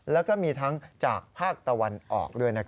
แล้วก็มีทั้งจากภาคตะวันออกด้วย